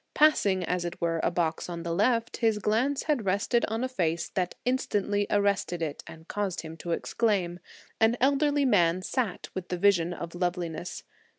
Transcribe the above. Passing, as it were, a box on the left, his glance had rested on a face that instantly arrested it and caused him to exclaim. An elderly man sat with the vision of loveliness.